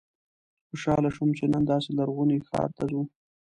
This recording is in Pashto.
خوشاله شوم چې نن داسې لرغوني ښار ته ځو.